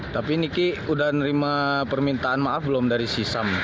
tapi niki udah nerima permintaan maaf belum dari sisam